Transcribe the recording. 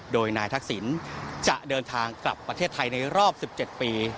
โดยนายทักษิณจะเดินทางกลับประเทศไทยในรอบ๑๗ปี